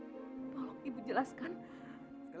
tolong ibu jelaskan